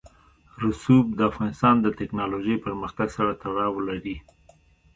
رسوب د افغانستان د تکنالوژۍ پرمختګ سره تړاو لري.